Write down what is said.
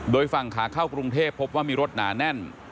โดยฝั่งขาเข้ากรุงเทพพบว่ามีรถหนาแน่น